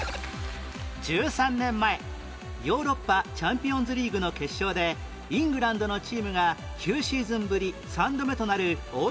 １３年前ヨーロッパチャンピオンズリーグの決勝でイングランドのチームが９シーズンぶり３度目となる欧州王者に